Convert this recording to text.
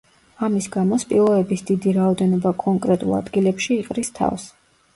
ამის გამო სპილოების დიდი რაოდენობა კონკრეტულ ადგილებში იყრის თავს.